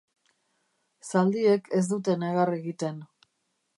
Zaldiek ez dute negar egiten.